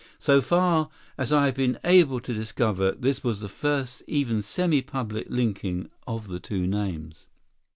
So far as I have been able to discover, this was the first even semi public linking of the two names.